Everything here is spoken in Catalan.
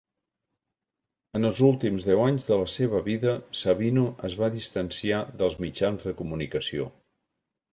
En els últims deu anys de la seva vida, Sabino es va distanciar dels mitjans de comunicació.